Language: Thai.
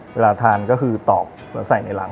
เวลาทานก็คือตอกแล้วใส่ในหลัง